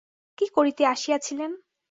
কী করিতে আসিয়াছিলেন?